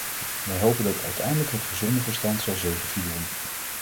Wij hopen dat uiteindelijk het gezonde verstand zal zegevieren.